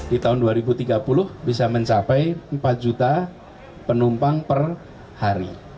di tahun dua ribu tiga puluh bisa mencapai empat juta penumpang per hari